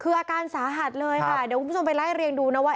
คืออาการสาหัสเลยค่ะเดี๋ยวคุณผู้ชมไปไล่เรียงดูนะว่า